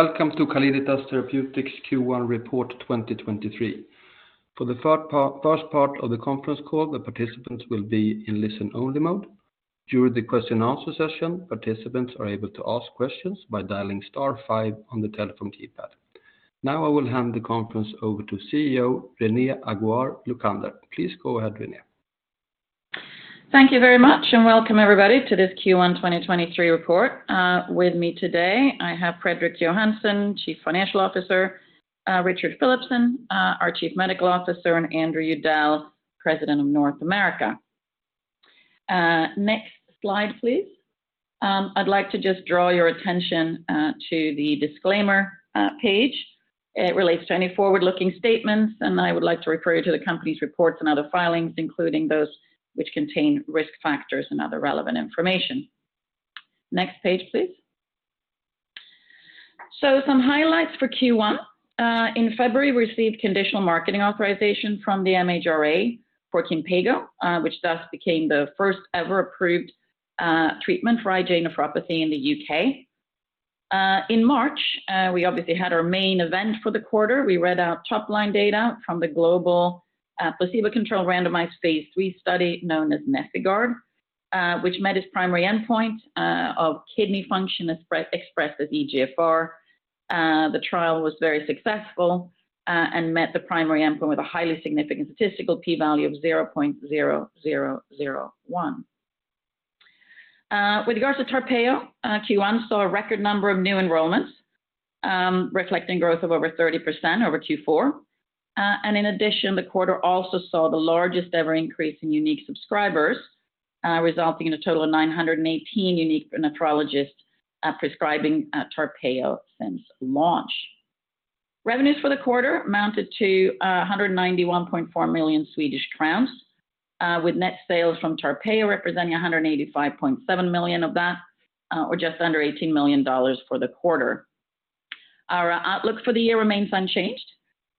Welcome to Calliditas Therapeutics Q1 Report 2023. For the first part of the conference call, the participants will be in listen-only mode. During the question and answer session, participants are able to ask questions by dialing star five on the telephone keypad. I will hand the conference over to CEO, Renée Aguiar-Lucander. Please go ahead, Renée. Thank you very much, and welcome everybody to this Q1 2023 report. With me today, I have Fredrik Johansson, Chief Financial Officer, Richard Philipson, our Chief Medical Officer, and Andrew Udell, President of North America. Next slide, please. I'd like to just draw your attention to the disclaimer page. It relates to any forward-looking statements. I would like to refer you to the company's reports and other filings, including those which contain risk factors and other relevant information. Next page, please. Some highlights for Q1. In February, we received conditional marketing authorization from the MHRA for Kinpeygo, which thus became the first ever approved treatment for IgA nephropathy in the U.K. In March, we obviously had our main event for the quarter. We read out top-line data from the global, placebo-controlled randomized phase III study known as NefIgArd, which met its primary endpoint of kidney function expressed as eGFR. The trial was very successful and met the primary endpoint with a highly significant statistical P value of 0.0001. With regards to TARPEYO, Q1 saw a record number of new enrollments, reflecting growth of over 30% over Q4. In addition, the quarter also saw the largest ever increase in unique subscribers, resulting in a total of 918 unique nephrologists prescribing TARPEYO since launch. Revenues for the quarter amounted to 191.4 million Swedish crowns, with net sales from TARPEYO representing 185.7 million of that, or just under $18 million for the quarter. Our outlook for the year remains unchanged,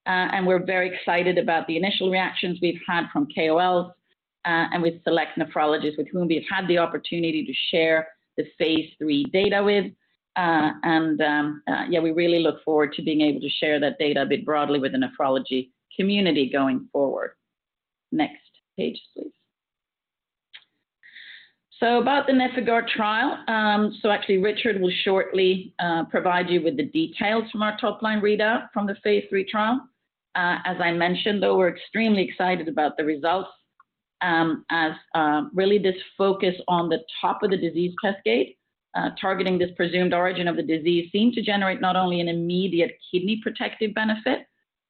and we're very excited about the initial reactions we've had from KOLs, and with select nephrologists with whom we have had the opportunity to share the phase III data with. We really look forward to being able to share that data a bit broadly with the nephrology community going forward. Next page, please. About the NefIgArd trial. Richard will shortly provide you with the details from our top-line readout from the phase III trial. As I mentioned, though, we're extremely excited about the results, as really this focus on the top of the disease cascade, targeting this presumed origin of the disease seemed to generate not only an immediate kidney protective benefit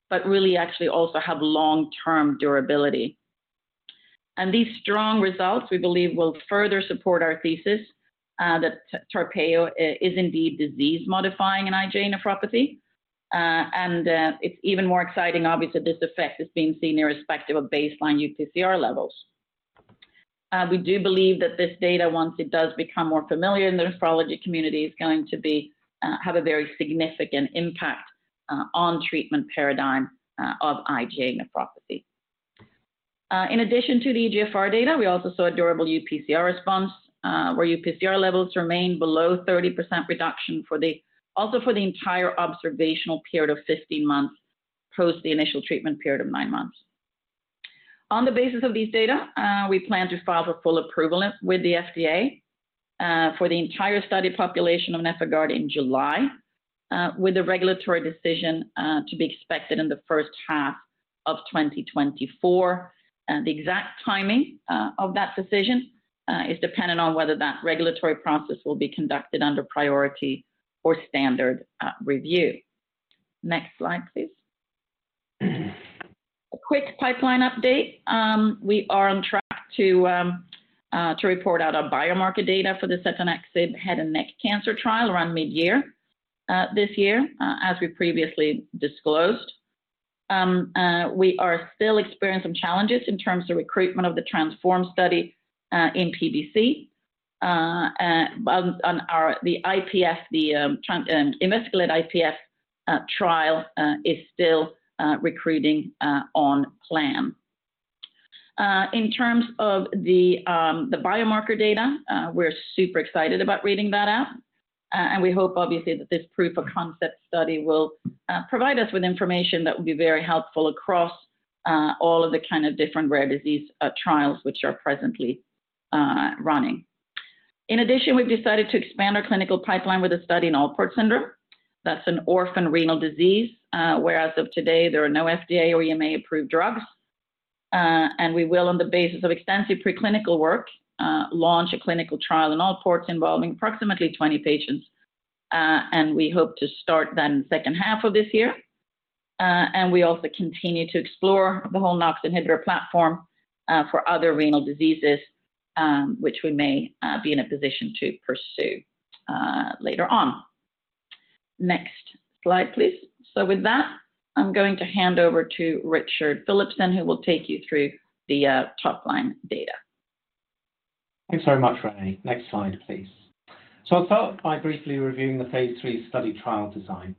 but actually also have long-term durability. These strong results, we believe, will further support our thesis that TARPEYO is indeed disease-modifying in IgA nephropathy. It's even more exciting, obviously, this effect is being seen irrespective of baseline UPCR levels. We do believe that this data, once it does become more familiar in the nephrology community, is going to be have a very significant impact on treatment paradigm of IgA nephropathy. In addition to the eGFR data, we also saw a durable UPCR response, where UPCR levels remain below 30% reduction for the entire observational period of 15 months post the initial treatment period of nine months. On the basis of these data, we plan to file for full approval with the FDA for the entire study population of NefIgArd in July, with the regulatory decision to be expected in the first half of 2024. The exact timing of that decision is dependent on whether that regulatory process will be conducted under priority or standard review. Next slide, please. A quick pipeline update. We are on track to report out our biomarker data for the setanaxib head and neck cancer trial around mid-year this year, as we previously disclosed. We are still experiencing challenges in terms of recruitment of the TRANSFORM study in PBC. On the IPF, the investigator-led IPF trial is still recruiting on plan. In terms of the biomarker data, we're super excited about reading that out. We hope, obviously, that this proof of concept study will provide us with information that will be very helpful across all of the kind of different rare disease trials which are presently running. In addition, we've decided to expand our clinical pipeline with a study in Alport syndrome. That's an orphan renal disease where as of today, there are no FDA or EMA-approved drugs. We will, on the basis of extensive preclinical work, launch a clinical trial in Alport's involving approximately 20 patients. We hope to start that in the second half of this year. We also continue to explore the whole NOX inhibitor platform for other renal diseases, which we may be in a position to pursue later on. Next slide, please. With that, I'm going to hand over to Richard Philipson, who will take you through the top-line data. Thanks very much, Renée. Next slide, please. I'll start by briefly reviewing the phase III study trial design.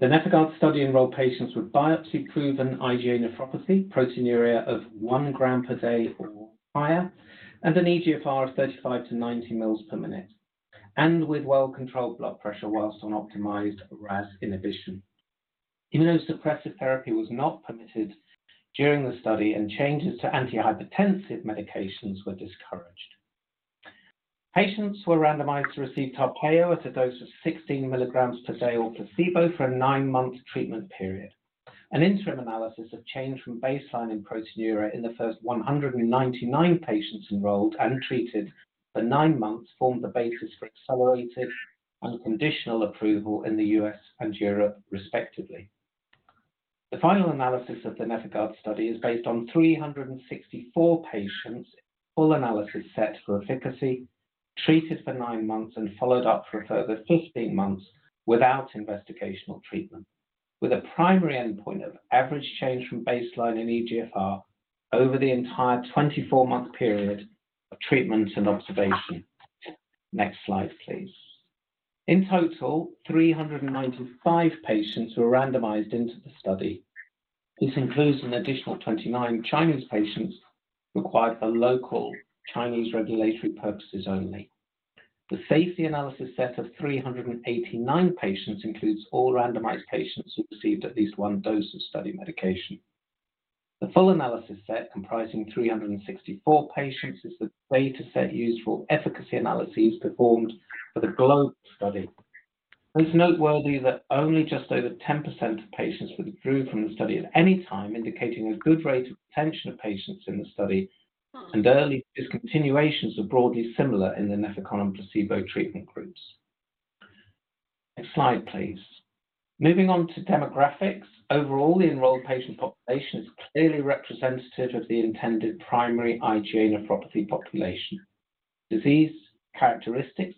The NefIgArd study enrolled patients with biopsy-proven IgA nephropathy, proteinuria of 1 g per day or. An eGFR of 35 to 90 mL/min and with well-controlled blood pressure whilst on optimized RAS inhibition. Immunosuppressive therapy was not permitted during the study. Changes to antihypertensive medications were discouraged. Patients were randomized to receive TARPEYO at a dose of 16 mg per day or placebo for a nine-month treatment period. An interim analysis of change from baseline in proteinuria in the first 199 patients enrolled and treated for nine months formed the basis for accelerated and conditional approval in the U.S. and Europe respectively. The final analysis of the NefIgArd study is based on 364 patients, full analysis set for efficacy, treated for nine months and followed up for a further 15 months without investigational treatment, with a primary endpoint of average change from baseline in eGFR over the entire 24-month period of treatment and observation. Next slide, please. In total, 395 patients were randomized into the study. This includes an additional 29 Chinese patients required for local Chinese regulatory purposes only. The safety analysis set of 389 patients includes all randomized patients who received at least one dose of study medication. The full analysis set, comprising 364 patients, is the data set used for efficacy analyses performed for the globe study. It's noteworthy that only just over 10% of patients withdrew from the study at any time, indicating a good rate of retention of patients in the study and early discontinuations are broadly similar in the Nefecon and placebo treatment groups. Next slide, please. Moving on to demographics. Overall, the enrolled patient population is clearly representative of the intended primary IgA nephropathy population. Disease characteristics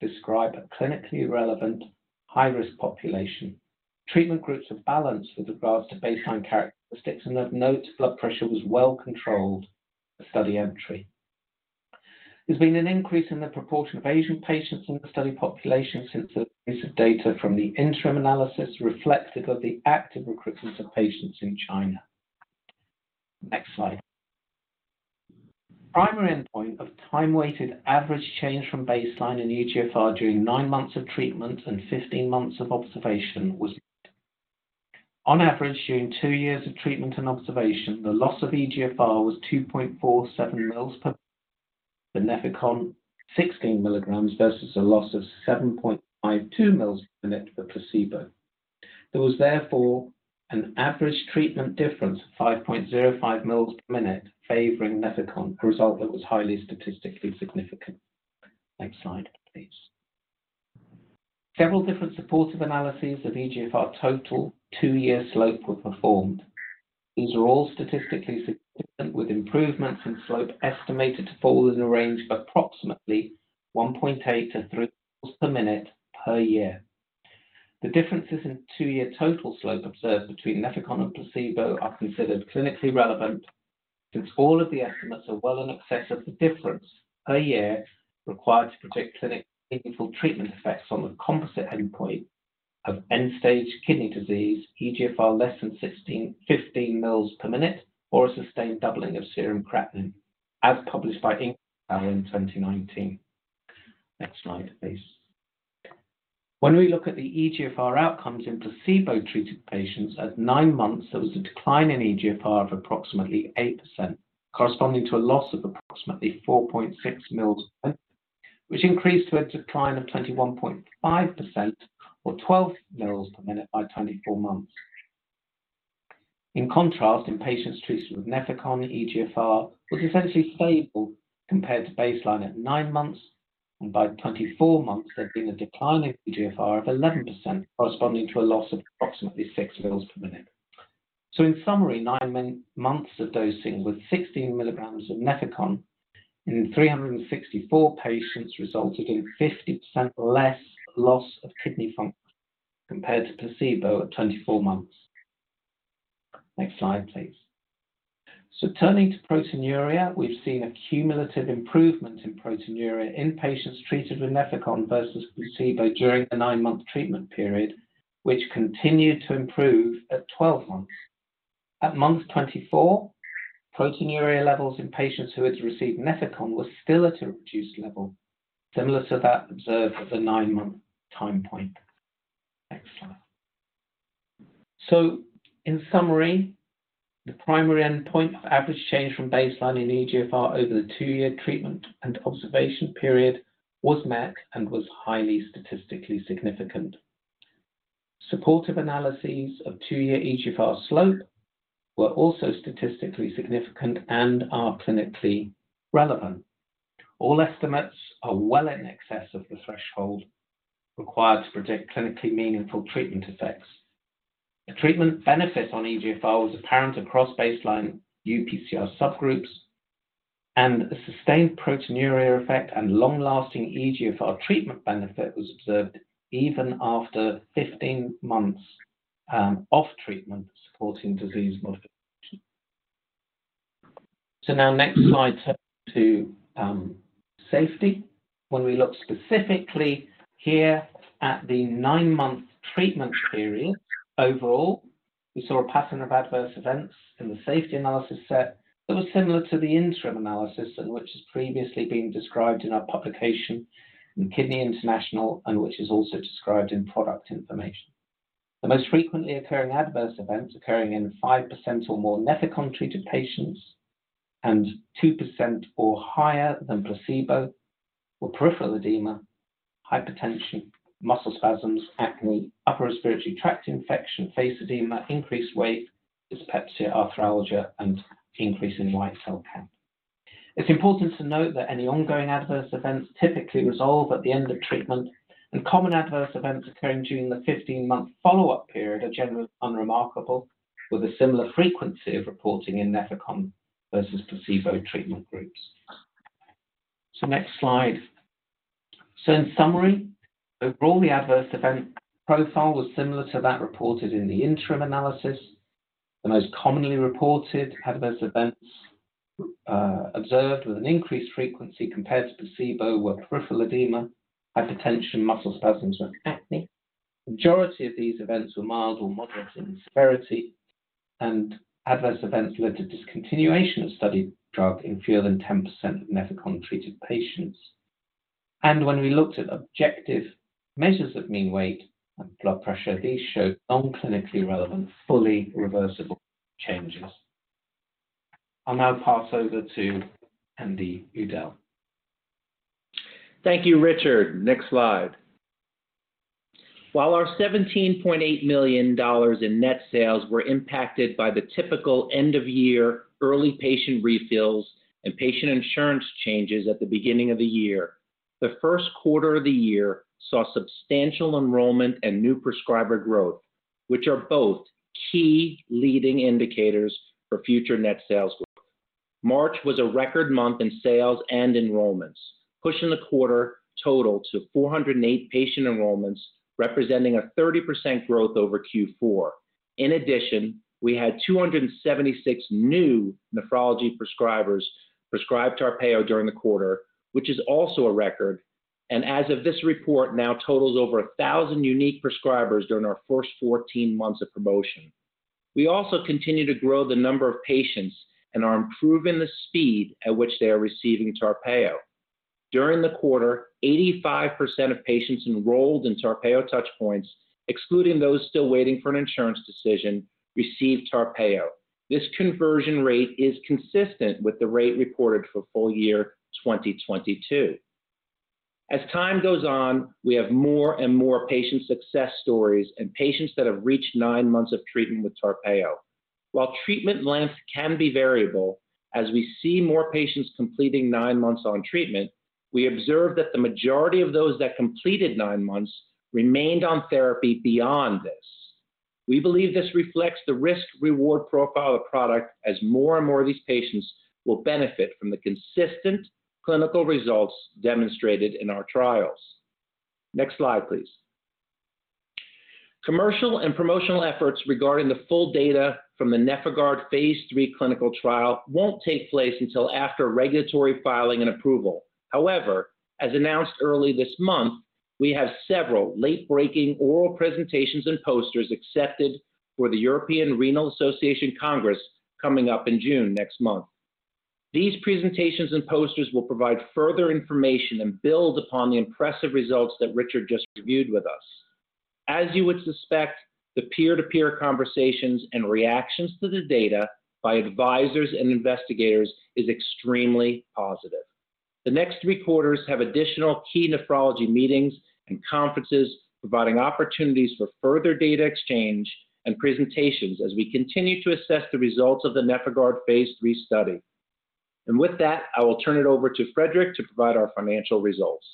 describe a clinically relevant high-risk population. Treatment groups are balanced with regards to baseline characteristics, of note, blood pressure was well controlled at study entry. There's been an increase in the proportion of Asian patients in the study population since the release of data from the interim analysis reflective of the active recruitment of patients in China. Next slide. Primary endpoint of time-weighted average change from baseline in eGFR during nine months of treatment and 15 months of observation was... On average, during two years of treatment and observation, the loss of eGFR was 2.47 mils per Nefecon, 16 mg versus a loss of 7.52 mL/min for placebo. There was therefore an average treatment difference of 5.05 mL/min favoring Nefecon, a result that was highly statistically significant. Next slide, please. Several different supportive analyses of eGFR total two-year slope were performed. These are all statistically significant with improvements in slope estimated to fall in the range of approximately 1.8 to 3 mL/min per year. The differences in two-year total slope observed between Nefecon and placebo are considered clinically relevant since all of the estimates are well in excess of the difference per year required to predict clinic meaningful treatment effects on the composite endpoint of end-stage kidney disease, eGFR less than 15 mL/min or a sustained doubling of serum creatinine as published by Ink et al. in 2019. Next slide, please. When we look at the eGFR outcomes in placebo-treated patients at nine months, there was a decline in eGFR of approximately 8%, corresponding to a loss of approximately 4.6 mils, which increased to a decline of 21.5% or 12 mL/min by 24 months. In contrast, in patients treated with Nefecon, eGFR was essentially stable compared to baseline at nine months, and by 24 months there had been a decline in eGFR of 11%, corresponding to a loss of approximately 6 mL/min. In summary, nine months of dosing with 16 mg of Nefecon in 364 patients resulted in 50% less loss of kidney function compared to placebo at 24 months. Next slide, please. Turning to proteinuria, we've seen a cumulative improvement in proteinuria in patients treated with Nefecon versus placebo during the nine-month treatment period, which continued to improve at 12 months. At month 24, proteinuria levels in patients who had received Nefecon were still at a reduced level, similar to that observed at the nine-month time point. Next slide. In summary, the primary endpoint of average change from baseline in eGFR over the two-year treatment and observation period was met and was highly statistically significant. Supportive analyses of two-year eGFR slope were also statistically significant and are clinically relevant. All estimates are well in excess of the threshold required to predict clinically meaningful treatment effects. The treatment benefit on eGFR was apparent across baseline UPCR subgroups, and a sustained proteinuria effect and long-lasting eGFR treatment benefit was observed even after 15 months off treatment supporting disease modification. Now next slide turn to safety. When we look specifically here at the nine-month treatment period overall we saw a pattern of adverse events in the safety analysis set that was similar to the interim analysis and which has previously been described in our publication in Kidney International and which is also described in product information. The most frequently occurring adverse events occurring in 5% or more Nefecon-treated patients and 2% or higher than placebo were peripheral edema, hypertension, muscle spasms, acne, upper respiratory tract infection, face edema, increased weight, dyspepsia, arthralgia, and increase in white cell count. It's important to note that any ongoing adverse events typically resolve at the end of treatment, and common adverse events occurring during the 15-month follow-up period are generally unremarkable, with a similar frequency of reporting in Nefecon versus placebo treatment groups. Next slide. In summary, overall, the adverse event profile was similar to that reported in the interim analysis. The most commonly reported adverse events observed with an increased frequency compared to placebo were peripheral edema, hypertension, muscle spasms, and acne. Majority of these events were mild or moderate in severity, adverse events led to discontinuation of studied drug in fewer than 10% of Nefecon-treated patients. When we looked at objective measures of mean weight and blood pressure, these showed non-clinically relevant, fully reversible changes. I'll now pass over to Andy Udell. Thank you, Richard. Next slide. While our $17.8 million in net sales were impacted by the typical end-of-year early patient refills and patient insurance changes at the beginning of the year, the Q1 of the year saw substantial enrollment and new prescriber growth, which are both key leading indicators for future net sales growth. March was a record month in sales and enrollments, pushing the quarter total to 408 patient enrollments, representing a 30% growth over Q4. In addition, we had 276 new nephrology prescribers prescribe TARPEYO during the quarter, which is also a record, and as of this report, now totals over 1,000 unique prescribers during our first 14 months of promotion. We also continue to grow the number of patients and are improving the speed at which they are receiving TARPEYO. During the quarter, 85% of patients enrolled in TARPEYO Touchpoints, excluding those still waiting for an insurance decision, received TARPEYO. This conversion rate is consistent with the rate reported for full year 2022. As time goes on, we have more and more patient success stories and patients that have reached nine months of treatment with TARPEYO. While treatment length can be variable, as we see more patients completing nine months on treatment, we observe that the majority of those that completed nine months remained on therapy beyond this. We believe this reflects the risk-reward profile of product as more and more of these patients will benefit from the consistent clinical results demonstrated in our trials. Next slide, please. Commercial and promotional efforts regarding the full data from the NefIgArd phase III clinical trial won't take place until after regulatory filing and approval. However, as announced early this month, we have several late-breaking oral presentations and posters accepted for the European Renal Association Congress coming up in June next month. These presentations and posters will provide further information and build upon the impressive results that Richard just reviewed with us. As you would suspect, the peer-to-peer conversations and reactions to the data by advisors and investigators is extremely positive. The next three quarters have additional key nephrology meetings and conferences providing opportunities for further data exchange and presentations as we continue to assess the results of the NefIgArd phase III study. With that, I will turn it over to Fredrik to provide our financial results.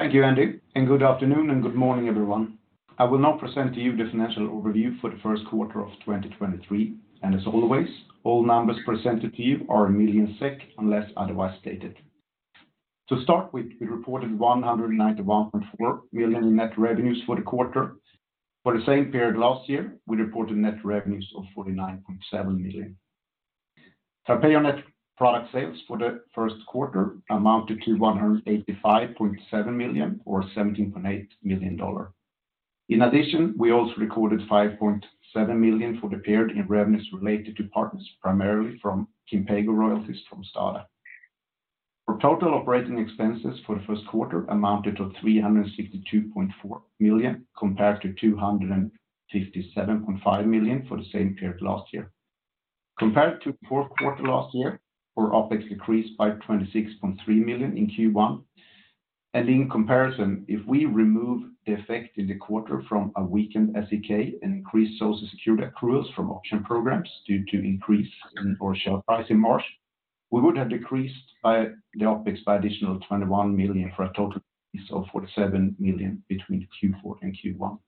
Thank you, Andy, good afternoon and good morning, everyone. I will now present to you the financial overview for the Q1 of 2023. As always, all numbers presented to you are in million SEK unless otherwise stated. To start with, we reported 191.4 million in net revenues for the quarter. For the same period last year, we reported net revenues of 49.7 million. TARPEYO net product sales for the Q1 amounted to 185.7 million or $17.8 million. In addition, we also recorded 5.7 million for the period in revenues related to partners, primarily from Kinpeygo royalties from STADA. Our total operating expenses for the Q1 amounted to 362.4 million compared to 257.5 million for the same period last year. Compared to the Q4 r last year, our OpEx decreased by 26.3 million in Q1. In comparison, if we remove the effect in the quarter from a weakened SEK and increased Social Security accruals from option programs due to increase in our share price in March, we would have decreased by the OpEx by additional 21 million for a total decrease of 47 million between Q4 and Q1.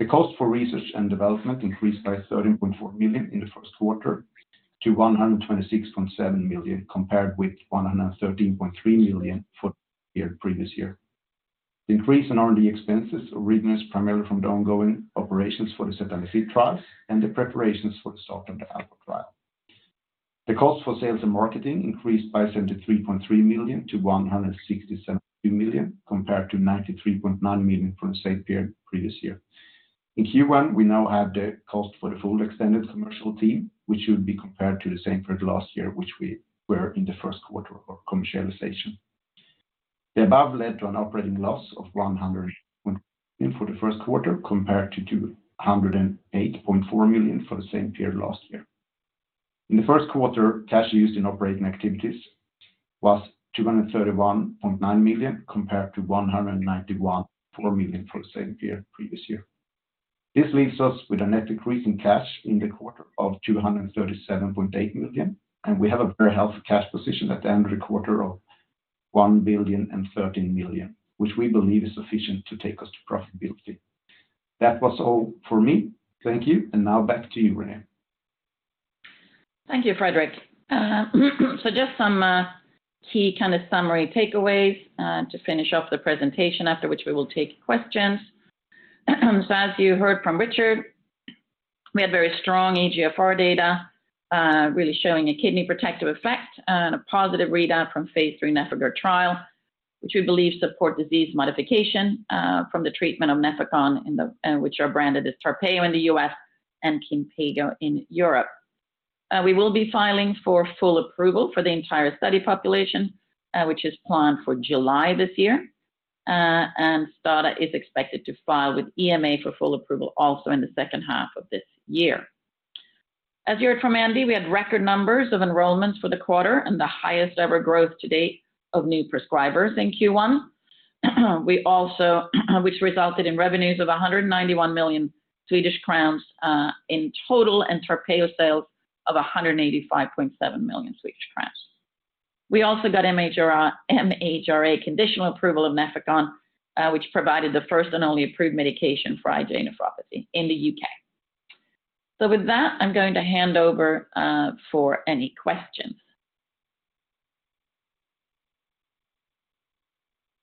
The cost for research and development increased by 13.4 million in the Q1 to 126.7 million, compared with 113.3 million for the year previous year. The increase in R&D expenses originates primarily from the ongoing operations for the setanaxib trials and the preparations for the start of the ALCO trial. The cost for sales and marketing increased by 73.3 million to 167 million compared to 93.9 million from the same period previous year. In Q1, we now have the cost for the full extended commercial team, which would be compared to the same period last year, which we were in the Q1 of commercialization. The above led to an operating loss for the Q1, compared to 208.4 million for the same period last year. In the Q1, cash used in operating activities was 231.9 million, compared to 191.4 million for the same period previous year. This leaves us with a net decrease in cash in the quarter of 237.8 million, and we have a very healthy cash position at the end of the quarter of 1 billion and 13 million, which we believe is sufficient to take us to profitability. That was all for me. Thank you. Now back to you, Renée. Thank you, Fredrik. Just some key kind of summary takeaways to finish off the presentation, after which we will take questions. As you heard from Richard, we had very strong eGFR data, really showing a kidney protective effect and a positive readout from phase III NefIgArd trial, which we believe support disease modification from the treatment of Nefecon, which are branded as TARPEYO in the U.S. and Kinpeygo in Europe. We will be filing for full approval for the entire study population, which is planned for July this year. STADA is expected to file with EMA for full approval also in the second half of this year. As you heard from Andy, we had record numbers of enrollments for the quarter and the highest ever growth to date of new prescribers in Q1. We also which resulted in revenues of 191 million Swedish crowns in total and TARPEYO sales of 185.7 million Swedish crowns. We also got MHRA conditional approval of Nefecon, which provided the first and only approved medication for IgA nephropathy in the U.K. With that, I'm going to hand over for any questions.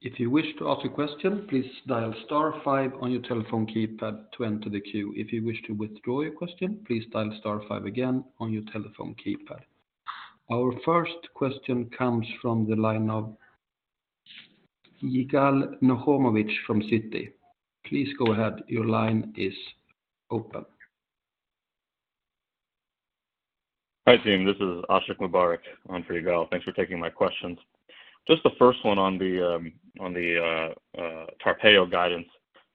If you wish to ask a question, please dial star five on your telephone keypad to enter the queue. If you wish to withdraw your question, please dial star five again on your telephone keypad. Our first question comes from the line of Yigal Nochomovitz from Citi. Please go ahead. Your line is open. Hi, team. This is Ashiq Mubarack on for Yigal. Thanks for taking my questions. Just the first one on the TARPEYO guidance.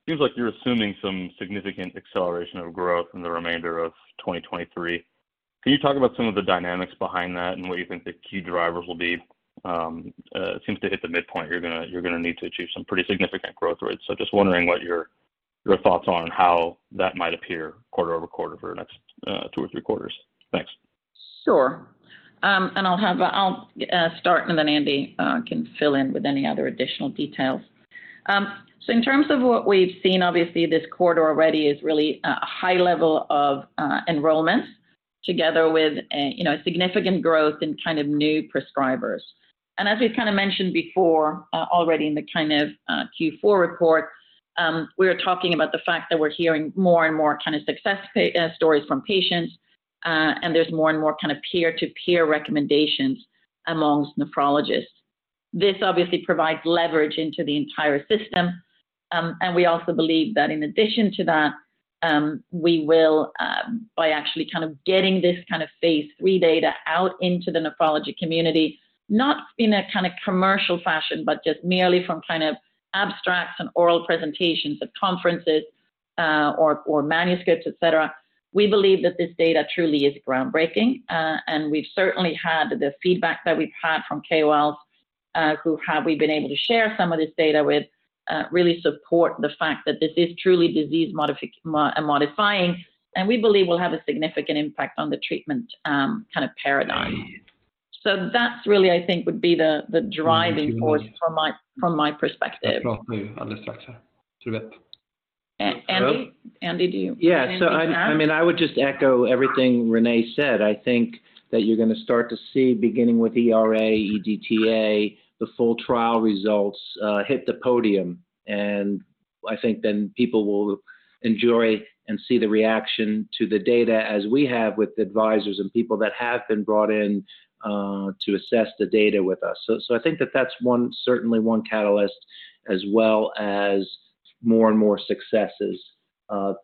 Seems like you're assuming some significant acceleration of growth in the remainder of 2023. Can you talk about some of the dynamics behind that and what you think the key drivers will be? It seems to hit the midpoint, you're gonna need to achieve some pretty significant growth rates. Just wondering what your thoughts are on how that might appear quarter-over-quarter for the next two or three quarters. Thanks. Sure. I'll start, and then Andy can fill in with any other additional details. In terms of what we've seen, obviously, this quarter already is really a high level of enrollment together with, you know, significant growth in kind of new prescribers. As we've kinda mentioned before, already in the kind of Q4 report, we were talking about the fact that we're hearing more and more kind of success stories from patients, and there's more and more kind of peer-to-peer recommendations amongst nephrologists. This obviously provides leverage into the entire system. We also believe that in addition to that, we will, by actually kind of getting this kind of phase III data out into the nephrology community, not in a kind of commercial fashion, but just merely from kind of abstracts and oral presentations at conferences, or manuscripts, et cetera. We believe that this data truly is groundbreaking, and we've certainly had the feedback that we've had from KOLs, who have we been able to share some of this data with, really support the fact that this is truly disease modifying, and we believe will have a significant impact on the treatment, kind of paradigm. That's really, I think would be the driving force from my, from my perspective. Andy? Andy, do you? Yeah. Anything to add? I mean, I would just echo everything Renée said. I think that you're gonna start to see, beginning with ERA-EDTA, the full trial results hit the podium. I think then people will enjoy and see the reaction to the data as we have with advisors and people that have been brought in to assess the data with us. I think that that's one, certainly one catalyst, as well as more and more successes.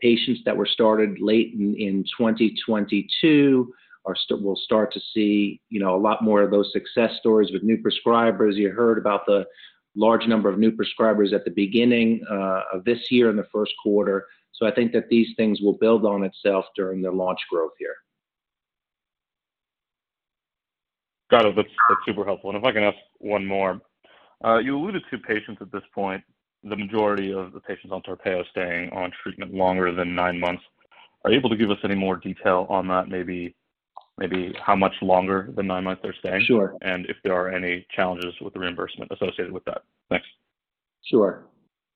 Patients that were started late in 2022 will start to see, you know, a lot more of those success stories with new prescribers. You heard about the large number of new prescribers at the beginning of this year in the Q1. I think that these things will build on itself during the launch growth year. Got it. That's super helpful. If I can ask one more. You alluded to patients at this point, the majority of the patients on TARPEYO staying on treatment longer than nine months. Are you able to give us any more detail on that, maybe how much longer than nine months they're staying? Sure. If there are any challenges with the reimbursement associated with that. Thanks. Sure.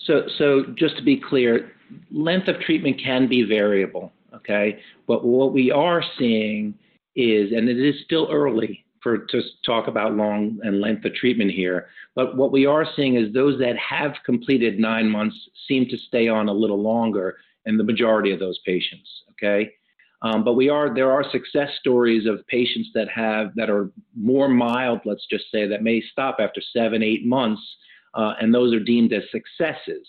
Just to be clear, length of treatment can be variable, okay? What we are seeing is, it is still early to talk about long and length of treatment here, what we are seeing is those that have completed nine months seem to stay on a little longer in the majority of those patients, okay? There are success stories of patients that are more mild, let's just say, that may stop after seven, eight months, and those are deemed as successes.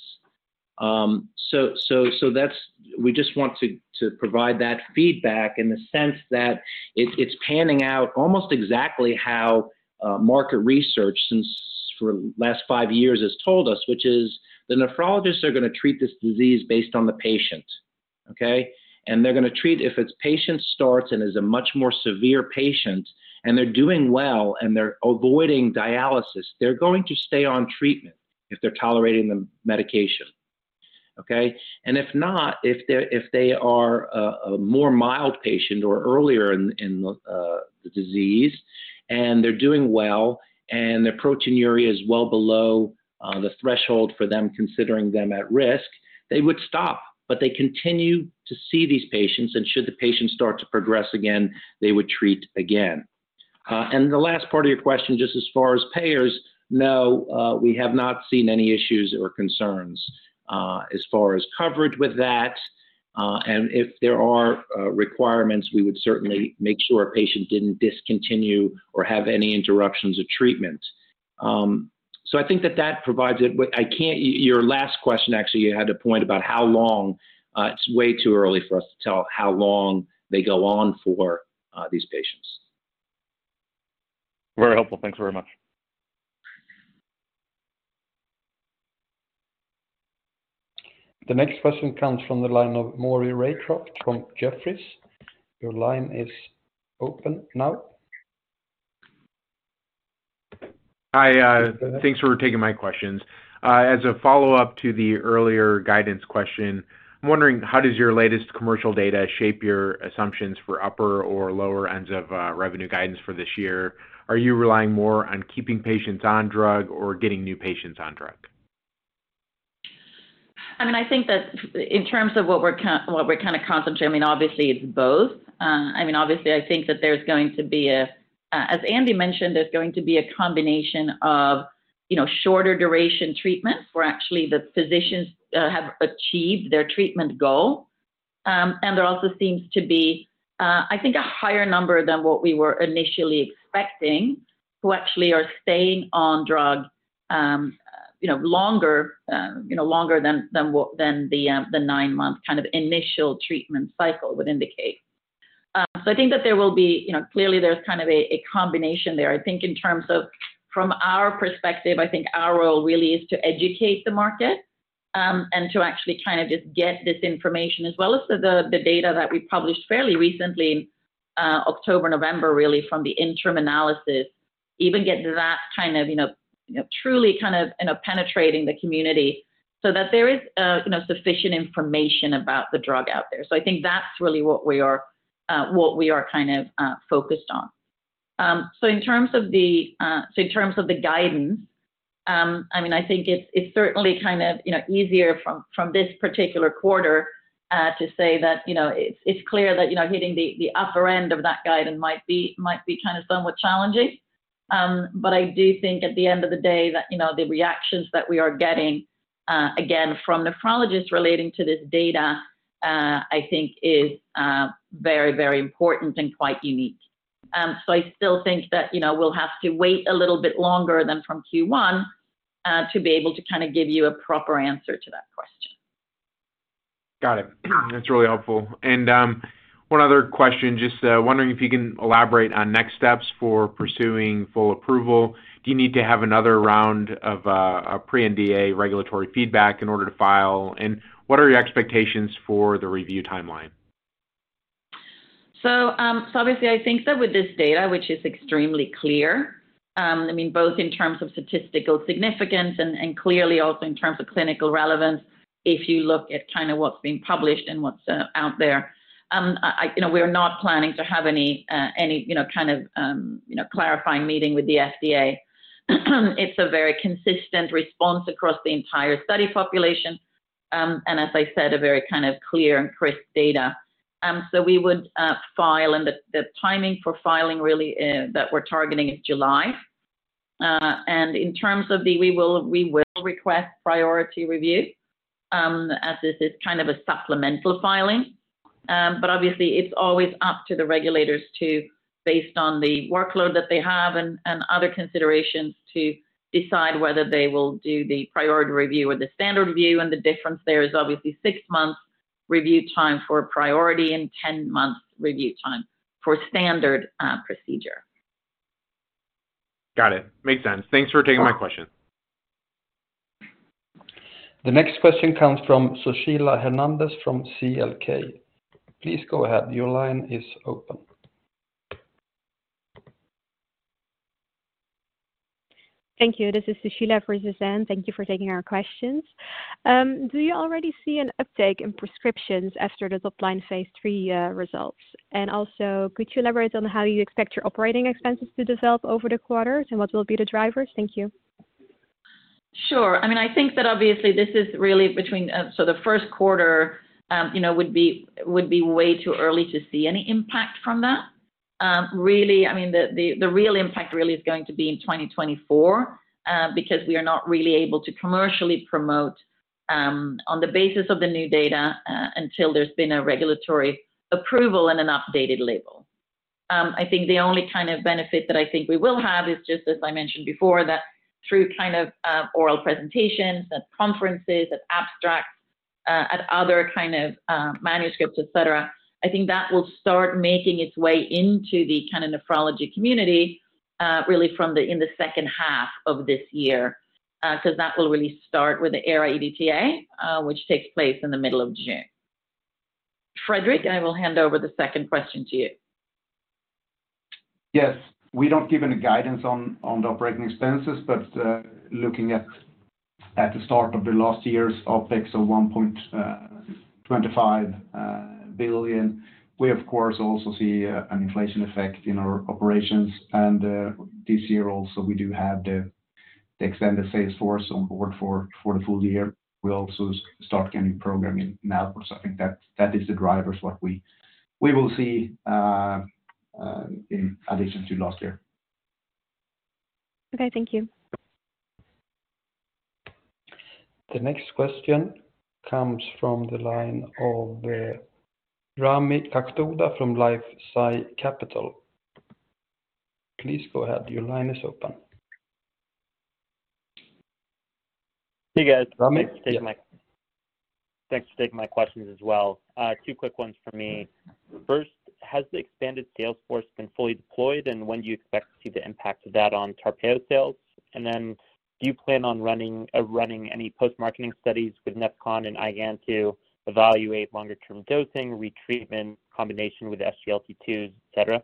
We just want to provide that feedback in the sense that it's panning out almost exactly how market research since for the last five years has told us, which is the nephrologists are gonna treat this disease based on the patient, okay? They're gonna treat if it's patient starts and is a much more severe patient, and they're doing well and they're avoiding dialysis, they're going to stay on treatment if they're tolerating the medication, okay? If not, if they're, if they are a more mild patient or earlier in the disease, and they're doing well, and their proteinuria is well below the threshold for them considering them at risk, they would stop. They continue to see these patients, and should the patient start to progress again, they would treat again. The last part of your question, just as far as payers, no, we have not seen any issues or concerns as far as coverage with that. If there are requirements, we would certainly make sure a patient didn't discontinue or have any interruptions of treatment. I think that that provides it. Your last question, actually, you had a point about how long. It's way too early for us to tell how long they go on for, these patients. Very helpful. Thanks very much. The next question comes from the line of Maury Raycroft from Jefferies. Your line is open now. Hi, thanks for taking my questions. As a follow-up to the earlier guidance question, I'm wondering how does your latest commercial data shape your assumptions for upper or lower ends of revenue guidance for this year? Are you relying more on keeping patients on drug or getting new patients on drug? I mean, I think that in terms of what we're kind of concentrating, I mean, obviously it's both. I mean, obviously, I think that there's going to be a, as Andy mentioned, there's going to be a combination of, you know, shorter duration treatments where actually the physicians have achieved their treatment goal. There also seems to be, I think a higher number than what we were initially expecting, who actually are staying on drug, you know, longer, you know, longer than what, than the nine-month kind of initial treatment cycle would indicate. I think that there will be, you know, clearly there's kind of a combination there. I think in terms of from our perspective, I think our role really is to educate the market, and to actually try to just get this information as well as the, the data that we published fairly recently, October, November, really, from the interim analysis. Even get that kind of, you know, truly kind of, you know, penetrating the community so that there is, you know, sufficient information about the drug out there. I think that's really what we are, what we are kind of, focused on. In terms of the, so in terms of the guidance, I mean, I think it's certainly kind of, you know, easier from this particular quarter, to say that, you know, it's clear that, you know, hitting the upper end of that guidance might be kind of somewhat challenging. I do think at the end of the day that, you know, the reactions that we are getting, again, from nephrologists relating to this data, I think is very, very important and quite unique. I still think that, you know, we'll have to wait a little bit longer than from Q1, to be able to kinda give you a proper answer to that question. Got it. That's really helpful. One other question. Just wondering if you can elaborate on next steps for pursuing full approval? Do you need to have another round of a pre-NDA regulatory feedback in order to file? What are your expectations for the review timeline? Obviously, I think that with this data, which is extremely clear, I mean, both in terms of statistical significance and clearly also in terms of clinical relevance, if you look at kind of what's being published and what's out there. You know, we're not planning to have any, you know, kind of, you know, clarifying meeting with the FDA. It's a very consistent response across the entire study population. As I said, a very kind of clear and crisp data. We would file and the timing for filing really that we're targeting is July. In terms of the... We will request priority review, as this is kind of a supplemental filing. Obviously, it's always up to the regulators to, based on the workload that they have and other considerations, to decide whether they will do the priority review or the standard review. The difference there is obviously six months review time for priority and 10 months review time for standard procedure. Got it. Makes sense. Thanks for taking my question. The next question comes from Sushila Hernandez from ZKB. Please go ahead. Your line is open. Thank you. This is Sushila for Zuzanna. Thank you for taking our questions. Do you already see an uptake in prescriptions after the top-line phase III results? Also, could you elaborate on how you expect your operating expenses to develop over the quarters and what will be the drivers? Thank you. Sure. I mean, I think that obviously this is really between. The Q1, you know, would be way too early to see any impact from that. Really, I mean, the real impact really is going to be in 2024, because we are not really able to commercially promote on the basis of the new data until there's been a regulatory approval and an updated label. I think the only kind of benefit that I think we will have is just as I mentioned before, that through kind of oral presentations at conferences, at abstracts, at other kind of manuscripts, et cetera, I think that will start making its way into the kind of nephrology community really in the second half of this year. 'Cause that will really start with the ERA-EDTA, which takes place in the middle of June. Fredrik, I will hand over the second question to you. Yes. We don't give any guidance on the operating expenses, but looking at the start of the last year's OpEx of 1.25 billion. We of course also see an inflation effect in our operations. This year also we do have the extended sales force on board for the full year. We also start getting programming now. I think that is the drivers what we will see in addition to last year. Okay, thank you. The next question comes from the line of, Rami Katkhuda from LifeSci Capital. Please go ahead, your line is open. Hey, guys. Rami? Yeah. Thanks for taking my questions as well. Two quick ones from me. First, has the expanded sales force been fully deployed, and when do you expect to see the impact of that on TARPEYO sales? Do you plan on running any post-marketing studies with Nefecon and IgAN to evaluate longer term dosing, retreatment, combination with SGLT2, et cetera?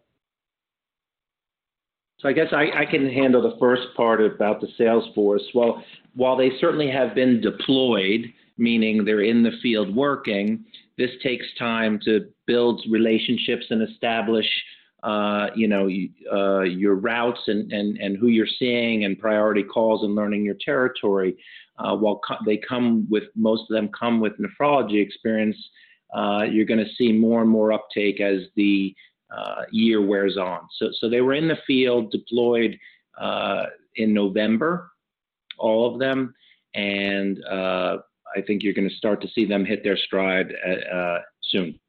I guess I can handle the first part about the sales force. Well, while they certainly have been deployed, meaning they're in the field working, this takes time to build relationships and establish, you know, your routes and who you're seeing and priority calls and learning your territory. While they come with most of them come with nephrology experience, you're gonna see more and more uptake as the year wears on. They were in the field deployed in November, all of them. I think you're gonna start to see them hit their stride soon.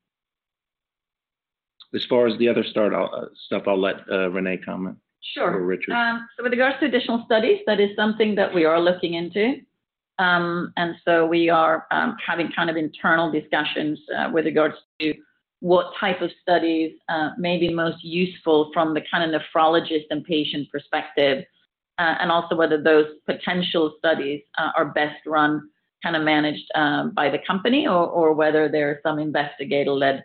As far as the other stuff, I'll let Renee comment. Sure. Richard. With regards to additional studies, that is something that we are looking into. We are having kind of internal discussions with regards to what type of studies may be most useful from the kind of nephrologist and patient perspective. Also whether those potential studies are best run, kinda managed, by the company or whether there are some investigator-led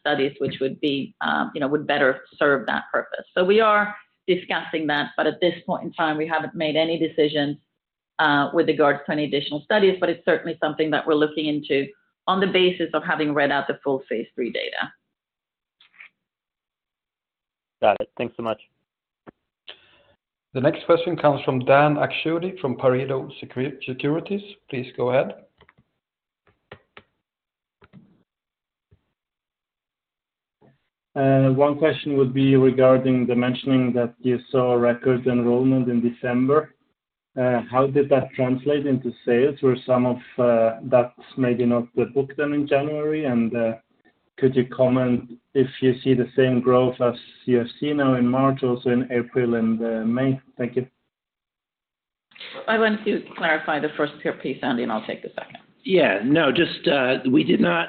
studies which would be, you know, would better serve that purpose. We are discussing that, at this point in time, we haven't made any decisions with regards to any additional studies, it's certainly something that we're looking into on the basis of having read out the full phase III data. Got it. Thanks so much. The next question comes from Dan Akschuti from Pareto Securities. Please go ahead. One question would be regarding the mentioning that you saw a record enrollment in December. How did that translate into sales? Were some of that maybe not the book then in January? Could you comment if you see the same growth as you have seen now in March, also in April and May? Thank you. I want to clarify the first part please, Andy, and I'll take the second. Just, we did not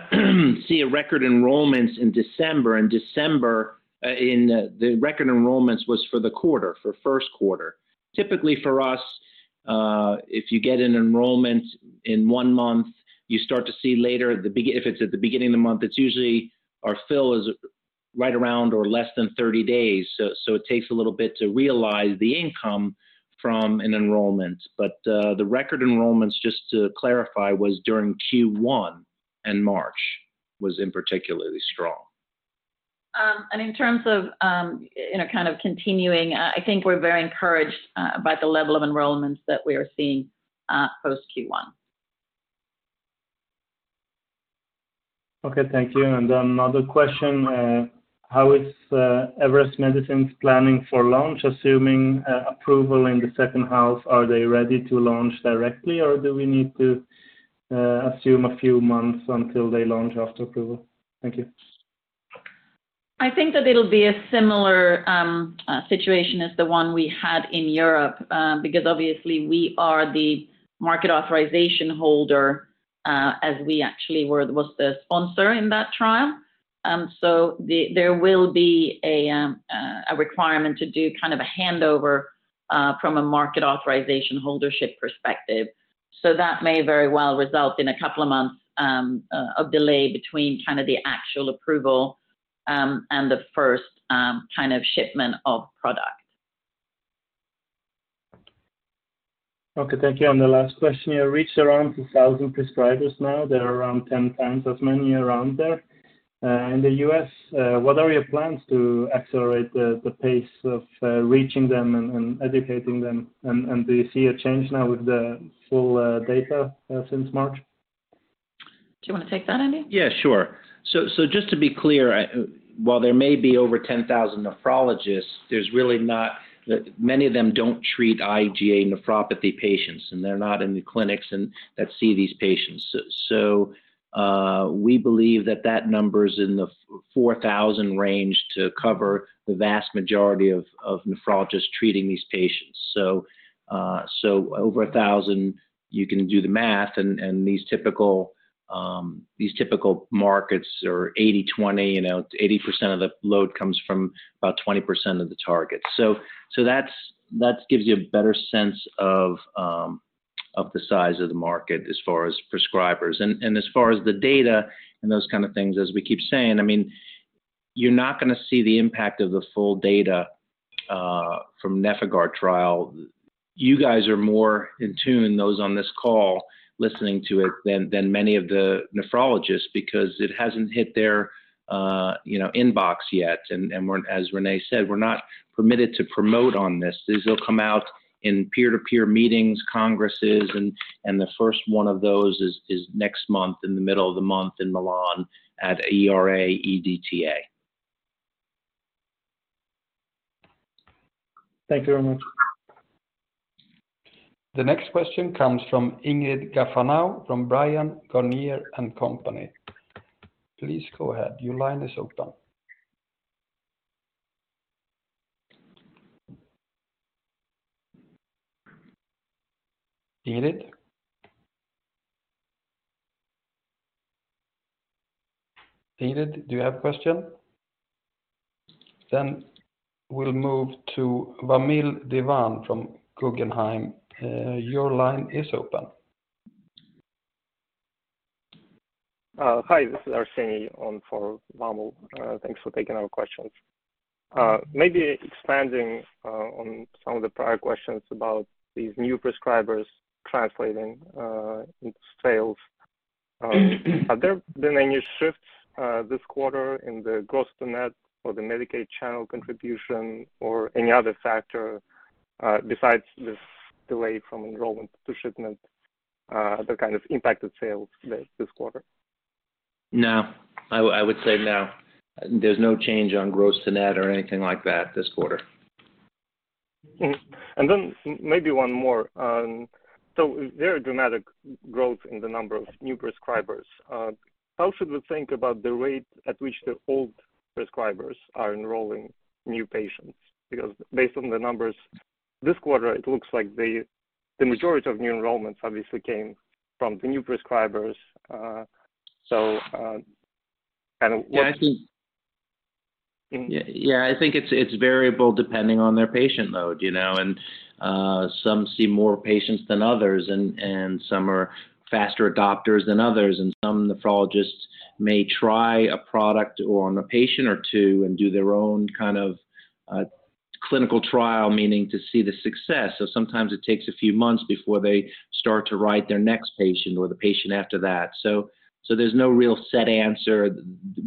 see a record enrollments in December. In December, in, the record enrollments was for the quarter, for Q1. Typically, for us, if you get an enrollment in one month, you start to see later at the beginning of the month, it's usually our fill is right around or less than 30 days. It takes a little bit to realize the income from an enrollment. The record enrollments, just to clarify, was during Q1, and March was in particularly strong. In terms of, in a kind of continuing, I think we're very encouraged, by the level of enrollments that we are seeing, post Q1. Okay, thank you. Another question. How is Everest Medicines planning for launch, assuming approval in the second half? Are they ready to launch directly, or do we need to assume a few months until they launch after approval? Thank you. I think that it'll be a similar situation as the one we had in Europe, because obviously we are the market authorization holder, as we actually was the sponsor in that trial. There will be a requirement to do kind of a handover from a market authorization holdership perspective. That may very well result in a couple of months of delay between kind of the actual approval and the first kind of shipment of product. Okay, thank you. The last question. You reached around 2,000 prescribers now. There are around 10 times as many around there. In the US, what are your plans to accelerate the pace of reaching them and educating them? Do you see a change now with the full data since March? Do you wanna take that, Andy? Yeah, sure. Just to be clear, while there may be over 10,000 nephrologists, many of them don't treat IgA nephropathy patients, and they're not in the clinics that see these patients. We believe that that number is in the 4,000 range to cover the vast majority of nephrologists treating these patients. over 1,000, you can do the math and these typical markets are 80%-20%, you know, 80% of the load comes from about 20% of the target. that gives you a better sense of the size of the market as far as prescribers. As far as the data and those kind of things, as we keep saying, I mean, you're not gonna see the impact of the full data from NefIgArd trial. You guys are more in tune, those on this call listening to it than many of the nephrologists because it hasn't hit their, you know, inbox yet. As Renée said, we're not permitted to promote on this. These will come out in peer-to-peer meetings, congresses, and the first one of those is next month in the middle of the month in Milan at ERA-EDTA. Thank you very much. The next question comes from Ingrid Gafanhao from Bryan, Garnier & Co. Please go ahead. Your line is open. Ingrid? Ingrid, do you have a question? We'll move to Vamil Divan from Guggenheim. Your line is open. Hi, this is Arseniy on for Vamil. Thanks for taking our questions. Maybe expanding on some of the prior questions about these new prescribers translating into sales. Have there been any shifts this quarter in the gross to net or the Medicaid channel contribution or any other factor besides this delay from enrollment to shipment that kind of impacted sales this quarter? No. I would say no. There's no change on gross to net or anything like that this quarter. Maybe one more. Very dramatic growth in the number of new prescribers. How should we think about the rate at which the old prescribers are enrolling new patients? Because based on the numbers this quarter, it looks like the majority of new enrollments obviously came from the new prescribers. Yeah, I think... Mm-hmm. Yeah, I think it's variable depending on their patient load, you know, and some see more patients than others and some are faster adopters than others, and some nephrologists may try a product on a patient or two and do their own kind of clinical trial, meaning to see the success. Sometimes it takes a few months before they start to write their next patient or the patient after that. There's no real set answer.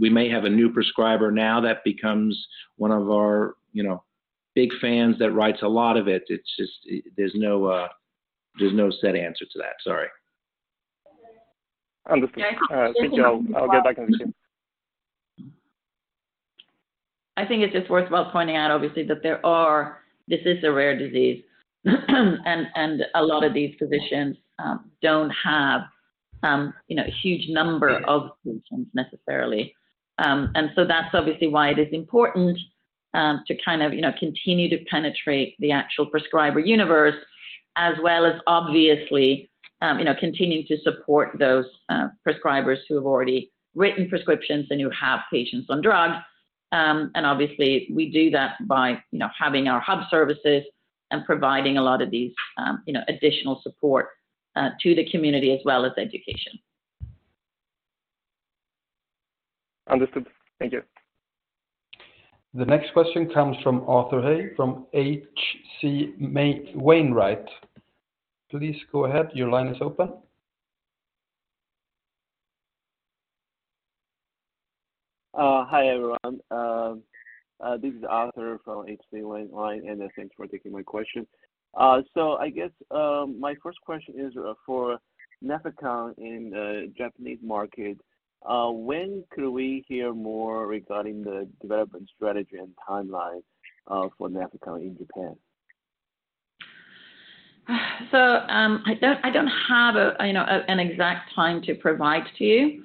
We may have a new prescriber now that becomes one of our, you know, big fans that writes a lot of it. It's just. There's no set answer to that. Sorry. Understood. Can I- All right. Thank you. I'll get back in touch. I think it's just worthwhile pointing out obviously that there are, this is a rare disease, and a lot of these physicians don't have, you know, a huge number of patients necessarily. That's obviously why it is important to kind of, you know, continue to penetrate the actual prescriber universe as well as obviously, you know, continuing to support those prescribers who have already written prescriptions and who have patients on drugs. Obviously we do that by, you know, having our hub services and providing a lot of these, you know, additional support to the community as well as education. Understood. Thank you. The next question comes from Arthur He from H.C. Wainwright & Co. Please go ahead. Your line is open. Hi, everyone. This is Arthur from H.C. Wainwright & Co. Thanks for taking my question. I guess, my first question is for Nefecon in the Japanese market. When could we hear more regarding the development strategy and timeline for Nefecon in Japan? I don't, I don't have, you know, an exact time to provide to you.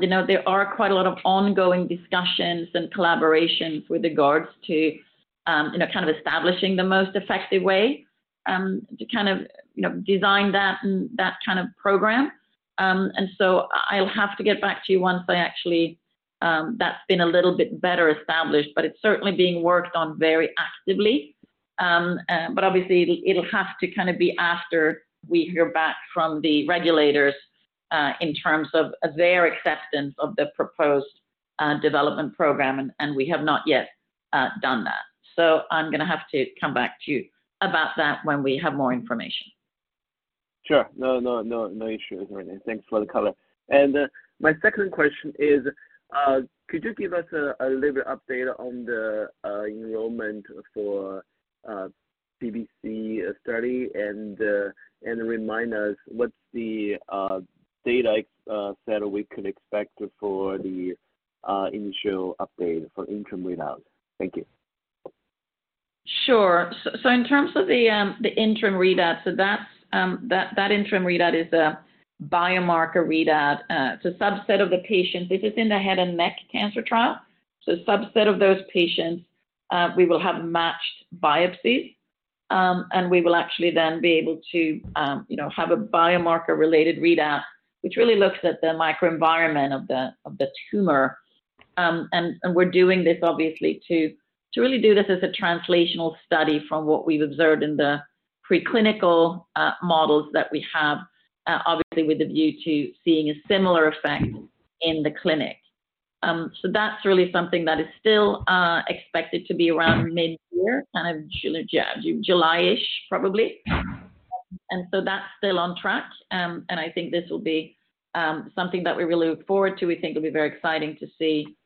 You know, there are quite a lot of ongoing discussions and collaborations with regards to, you know, kind of establishing the most effective way to kind of, you know, design that kind of program. I'll have to get back to you once I actually, that's been a little bit better established, but it's certainly being worked on very actively. Obviously it'll have to kind of be after we hear back from the regulators in terms of their acceptance of the proposed development program and we have not yet done that. I'm gonna have to come back to you about that when we have more information. Sure. No, no, no issues, Renée. Thanks for the color. My second question is, could you give us a little update on the enrollment for the PBC study and remind us what's the data set we could expect for the initial update for interim readout? Thank you. Sure. In terms of the interim readout, that interim readout is a biomarker readout. It's a subset of the patients. This is in the head and neck cancer trial. Subset of those patients, we will have matched biopsies. We will actually then be able to, you know, have a biomarker related readout, which really looks at the microenvironment of the tumor. We're doing this obviously to really do this as a translational study from what we've observed in the preclinical models that we have, obviously with a view to seeing a similar effect in the clinic. That's really something that is still expected to be around midyear, kind of July-ish probably. That's still on track. I think this will be something that we really look forward to. We think it'll be very exciting to see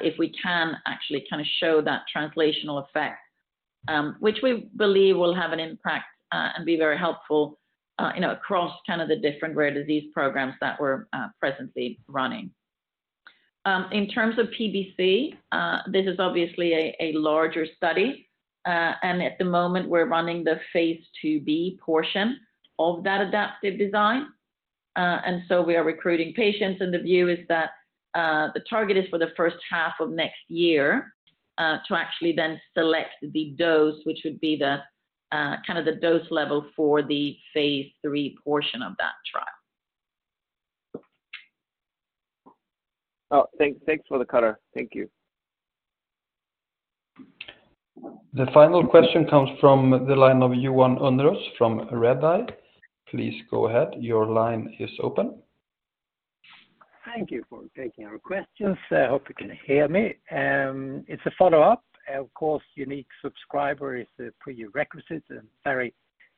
if we can actually kinda show that translational effect, which we believe will have an impact and be very helpful, you know, across kind of the different rare disease programs that we're presently running. In terms of PBC, this is obviously a larger study. At the moment we're running the phase IIb portion of that adaptive design. We are recruiting patients, and the view is that the target is for the first half of next year to actually then select the dose, which would be the kind of the dose level for the phase III portion of that trial. Oh, thanks. Thanks for the color. Thank you. The final question comes from the line of Johan Unnérus from Redeye. Please go ahead. Your line is open. Thank you for taking our questions. I hope you can hear me. It's a follow-up. Of course, unique subscriber is a prerequisite and very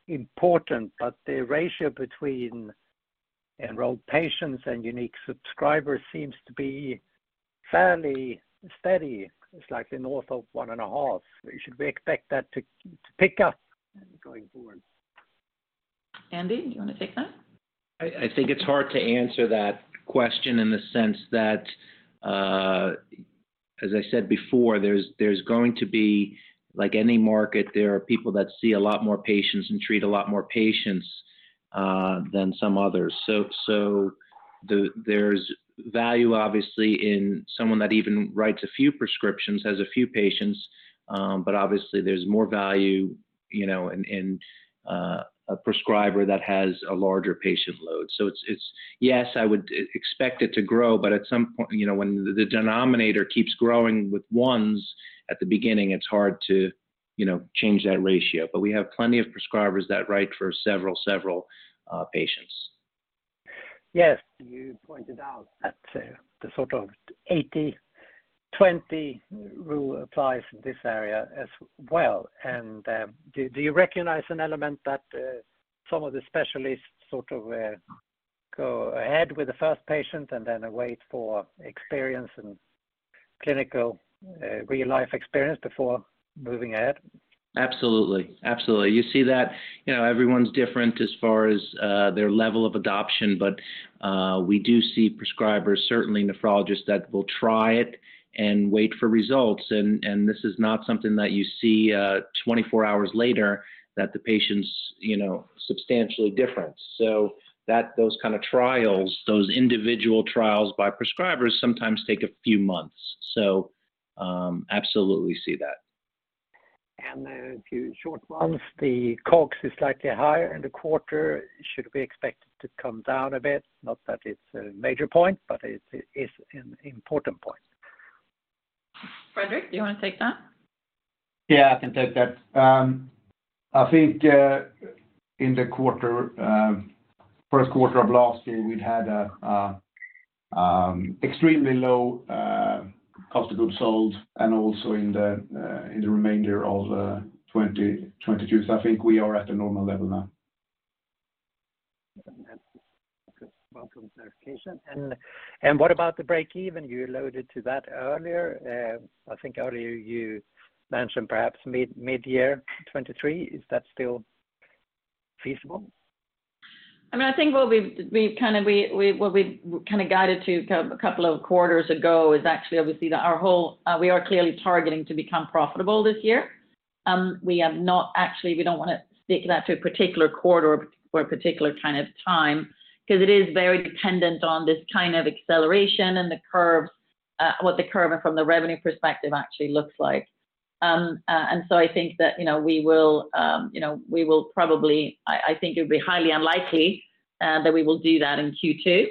important, but the ratio between enrolled patients and unique subscribers seems to be fairly steady. It's like north of 1 1/2 Should we expect that to pick up going forward? Andy, do you wanna take that? I think it's hard to answer that question in the sense that, as I said before, Like any market, there are people that see a lot more patients and treat a lot more patients than some others. There's value obviously in someone that even writes a few prescriptions, has a few patients. Obviously there's more value, you know, in a prescriber that has a larger patient load. Yes, I would expect it to grow, but at some point, you know, when the denominator keeps growing with ones at the beginning, it's hard to, you know, change that ratio. We have plenty of prescribers that write for several patients. Yes. You pointed out that the sort of 80/20 rule applies in this area as well. Do you recognize an element that some of the specialists sort of go ahead with the first patient and then wait for experience and clinical real-life experience before moving ahead? Absolutely. You see that, you know, everyone's different as far as their level of adoption, but we do see prescribers, certainly nephrologists, that will try it and wait for results. And, and this is not something that you see 24 hours later that the patient's, you know, substantially different. That, those kind of trials, those individual trials by prescribers sometimes take a few months. Absolutely see that. A few short ones. The COGS is slightly higher in the quarter. Should we expect it to come down a bit? Not that it's a major point, but it is an important point. Fredrik, do you wanna take that? Yeah, I can take that. I think in the quarter, Q1 of last year, we'd had a extremely low cost of goods sold and also in the remainder of 2022. I think we are at a normal level now. That's welcome clarification. What about the break even? You alluded to that earlier. I think earlier you mentioned perhaps mid-year 2023. Is that still feasible? I mean, I think what we kinda guided to a couple of quarters ago is actually obviously that our whole, we are clearly targeting to become profitable this year. We don't wanna stick that to a particular quarter or particular kind of time 'cause it is very dependent on this kind of acceleration and the curves, what the curve and from the revenue perspective actually looks like. I think that, you know, we will, you know, I think it would be highly unlikely that we will do that in Q2.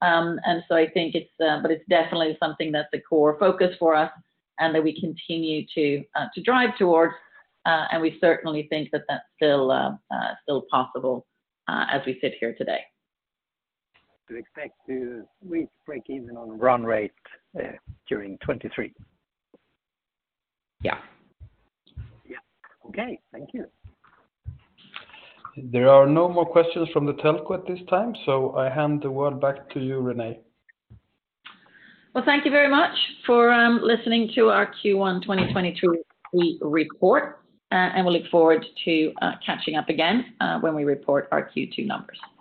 I think it's definitely something that's a core focus for us and that we continue to drive towards. We certainly think that that's still possible as we sit here today. Do you expect to reach break even on run rate, during 2023? Yeah. Yeah. Okay. Thank you. There are no more questions from the telco at this time. I hand the word back to you, Renée. Well, thank you very much for listening to our Q1 2022 week report, and we'll look forward to catching up again when we report our Q2 numbers. Thank you.